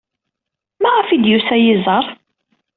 Maɣef ay d-yusa ad iyi-iẓer?